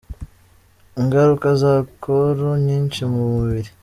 Ingaruka za alcool nyinshi mu mubiri.